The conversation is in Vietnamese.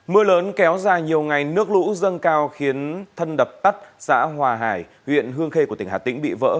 mưa lớn kéo dài nhiều ngày nước lũ dâng cao khiến thân đập tắt xã hòa hải huyện hương khê của tỉnh hà tĩnh bị vỡ